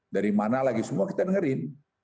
dari mana lagi semua kita dengerin